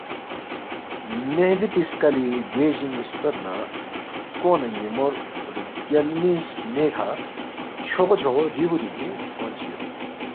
مہدی پی سَکلی گوئے جینگی ستود لا ہرکونگ نہ نیموررگیالمی سنے کھا چھوغو چھوغو، ریبو ریبو فونگ چی یود۔